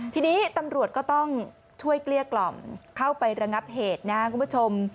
ทีนี้ตำรวจก็ต้องช่วยเกลี้ยกล่อมเข้าไประงับเหตุนะครับคุณผู้ชม